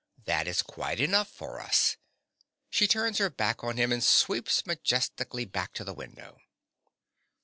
That is quite enough for us. (_She turns her back on him and sweeps majestically back to the window.